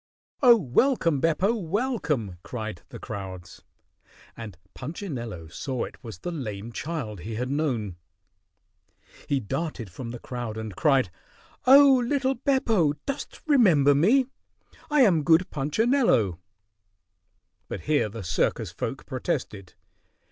"Oh, welcome, Beppo! Welcome!" cried the crowds, and Punchinello saw it was the lame child he had known. He darted from the crowd and cried, "Oh, little Beppo, dost remember me? I am good Punchinello." But here the circus folk protested.